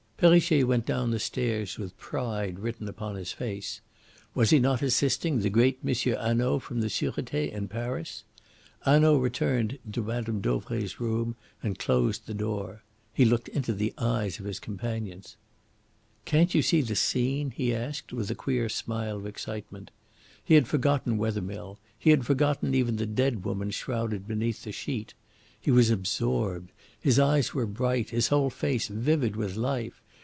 Perrichet went down the stairs with pride written upon his face. Was he not assisting the great M. Hanaud from the Surete in Paris? Hanaud returned into Mme. Dauvray's room and closed the door. He looked into the eyes of his companions. "Can't you see the scene?" he asked with a queer smile of excitement. He had forgotten Wethermill; he had forgotten even the dead woman shrouded beneath the sheet. He was absorbed. His eyes were bright, his whole face vivid with life.